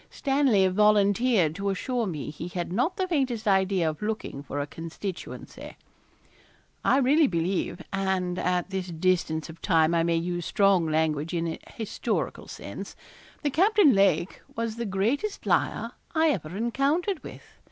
Stanley volunteered to assure me he had not the faintest idea of looking for a constituency. I really believe and at this distance of time I may use strong language in a historical sense that Captain Lake was the greatest liar I ever encountered with.